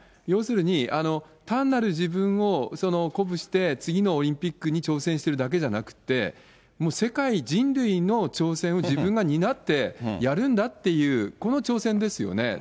要するに、単なる自分を鼓舞して次のオリンピックに挑戦しているだけじゃなくて、世界人類の挑戦を自分が担ってやるんだっていう、この挑戦ですよね。